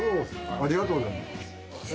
ありがとうございます。